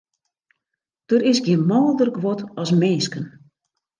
Der is gjin mâlder guod as minsken.